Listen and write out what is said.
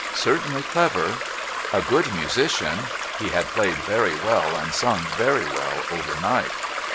' Certainly clever,' 'A good musician.' (He had played very well, and sung very well, overnight.)